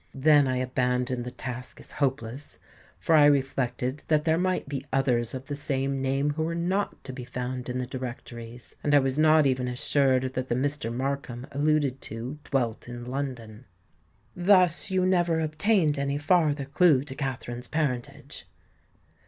Then I abandoned the task as hopeless: for I reflected that there might be others of the same name who were not to be found in the Directories; and I was not even assured that the Mr. Markham alluded to dwelt in London." "Thus you never obtained any farther clue to Katharine's parentage?"